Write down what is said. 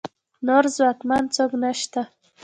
نور ځواکمن څوک نشته